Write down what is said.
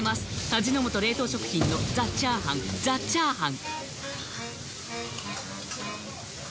味の素冷凍食品の「ザ★チャーハン」「ザ★チャーハン」